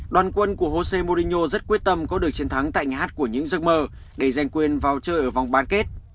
đoàn quân của jose morino rất quyết tâm có được chiến thắng tại nhà hát của những giấc mơ để giành quyền vào chơi ở vòng bán kết